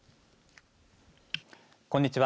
こんにちは。